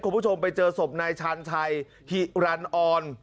คุณผู้ชมไปเจอสมในชานไชหิรันออน